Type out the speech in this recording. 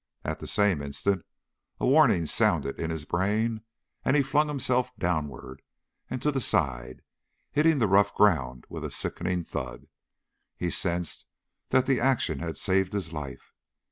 At the same instant a warning sounded in his brain and he flung himself downward and to the side, hitting the rough ground with a sickening thud. He sensed that the action had saved his life.